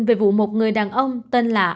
về vụ một người đàn ông tên là